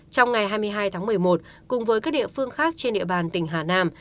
trong ngày hai mươi hai tháng một mươi một cùng với các địa phương khác trên địa bàn tỉnh hà nam